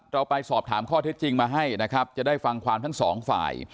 เราไปสอบถามข้อเท็จจริงมาให้นะครับจะได้ฟังความทั้งสองฝ่าย